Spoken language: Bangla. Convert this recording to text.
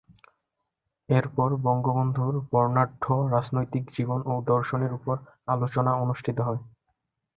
এরপর বঙ্গবন্ধুর বর্ণাঢ্য রাজনৈতিক জীবন ও দর্শনের ওপর আলোচনা অনুষ্ঠিত হয়।